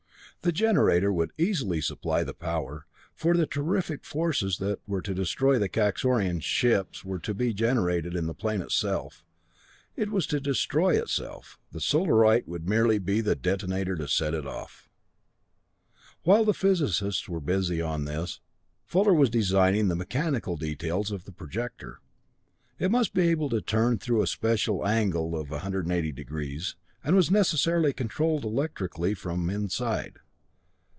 The generator would easily supply the power, for the terrific forces that were to destroy the Kaxorian ships were to be generated in the plane itself. It was to destroy itself; the Solarite would merely be the detonator to set it off! While the physicists were busy on this, Fuller was designing the mechanical details of the projector. It must be able to turn through a spherical angle of 180 degrees, and was necessarily controlled electrically from the inside.